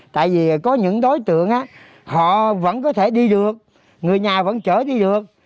tại vì có những đối tượng họ vẫn có thể đi được người nhà vẫn chở đi được